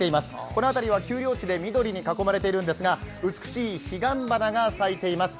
この辺りは丘陵地で緑に囲まれているんですが美しいヒガンバナが咲いています。